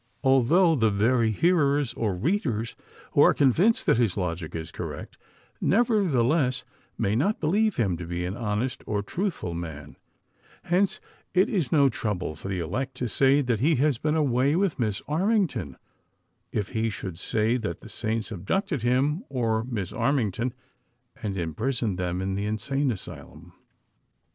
Althougli the very hearers or readers who are convinced that his logic is correct, nevertheless may not believe him to be an honest or truthful man ; hence, it is no trouble for the elect to say that he has been away with Miss Armington, if he should say that the saints abducted him or Miss Armington and imprisoned them in the insane asylum.